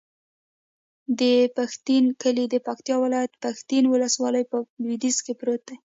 د پښتین کلی د پکتیکا ولایت، پښتین ولسوالي په لویدیځ کې پروت دی.